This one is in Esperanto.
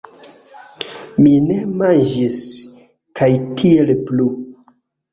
Mi ne manĝis kaj tiel plu.